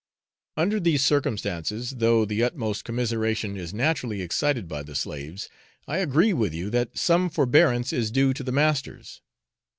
Under these circumstances, though the utmost commiseration is naturally excited by the slaves, I agree with you that some forbearance is due to the masters.